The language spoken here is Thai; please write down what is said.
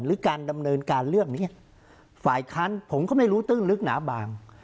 หรือการดำเนินการเรื่องนี้ฝ่ายค้านผมก็ไม่รู้ตื้นลึกหนาบาง